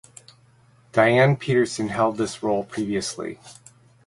Dianne Peterson held this role previously.